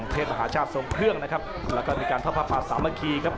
เทศมหาชาติทรงเครื่องนะครับแล้วก็มีการทบภาพศาลเมื่อกี้ครับ